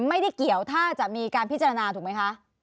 ไม่ได้เกี่ยวถ้าจะมีการพิจารณาถูกไหมคะ